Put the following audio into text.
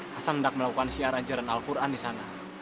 hasan hendak melakukan siaran jalan al quran disana